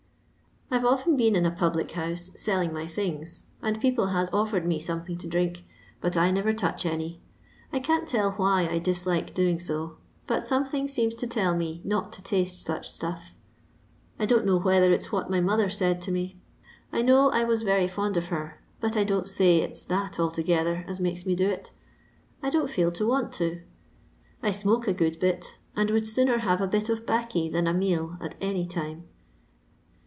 I 've often been In a public house selling my things, and people hat offered me something to drink, but I never touch any. I can't tell why I dislike doing so . 4rat something teems to tell me not to taste such tta£ I don't know whether it 's what my mother said to me. I know I wat very fond of her, but I don't tay it 't that altogether at makes me do it. I don't feel to want it I smoke a good bit, and would sooner have a bit of baccy than a meal at any time.